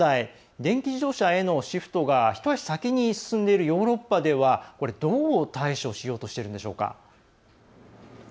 電気自動車へのシフトが一足先に進んでいるヨーロッパではどう対処しようとしているんでしょうか。